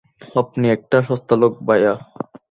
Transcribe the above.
আপনি একটা সস্তা লোক, ভায়া।